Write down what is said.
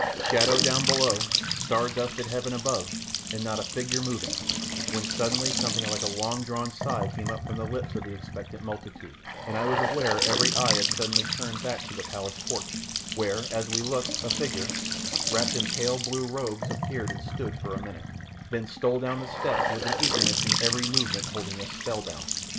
Shadow down below, star dusted heaven above, and not a figure moving; when suddenly something like a long drawn sigh came from the lips of the expectant multitude, and I was aware every eye had suddenly turned back to the palace porch, where, as we looked, a figure, wrapped in pale blue robes, appeared and stood for a minute, then stole down the steps with an eagerness in every movement holding us spellbound.